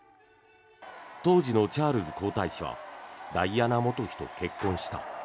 当時のチャールズ皇太子はダイアナ元妃と結婚した。